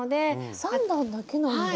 ３段だけなんだ。